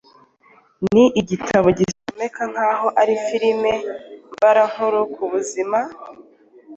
Ni igitabo gisomeka nkaho ari filime mbarankuru ku buzima